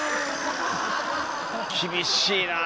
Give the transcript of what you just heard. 厳しいなあ！